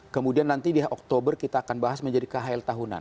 kemudian nanti di oktober kita akan bahas menjadi khl tahunan